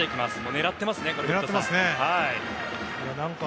狙ってますね。